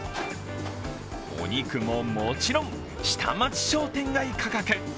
お肉ももちろん下町商店街価格。